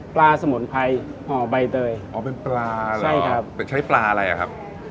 สมุนไพรห่อใบเตยอ๋อเป็นปลาอะไรใช่ครับแต่ใช้ปลาอะไรอ่ะครับ